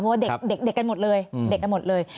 เพราะว่าเด็กกันหมดเลย